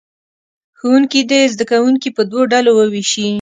ښوونکي دې زه کوونکي په دوو ډلو ووېشي.